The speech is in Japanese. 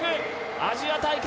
アジア大会